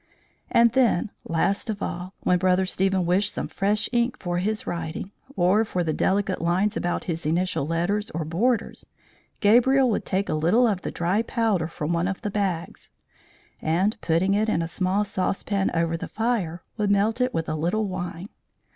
And then, last of all, when Brother Stephen wished some fresh ink for his writing, or for the delicate lines about his initial letters or borders, Gabriel would take a little of the dry powder from one of the bags, and, putting it in a small saucepan over the fire, would melt it with a little wine.